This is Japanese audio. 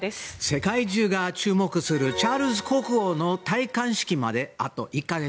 世界中が注目するチャールズ国王の戴冠式まであと１か月。